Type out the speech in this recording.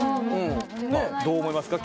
どう思いますか？